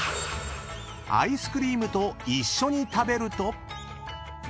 ［アイスクリームと一緒に食べると］